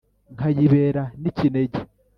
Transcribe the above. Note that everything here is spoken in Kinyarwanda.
nkayibera n’ikinege